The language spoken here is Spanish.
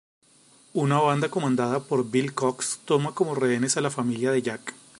Una banda comandada por Bill Cox toma como rehenes a la familia de Jack.